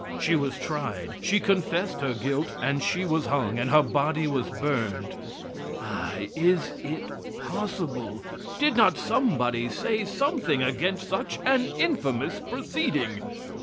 She was tried, she confessed her guilt, and she was hung and her body was burned! My! is it possible? Did not somebody say something against such an infamous proceeding?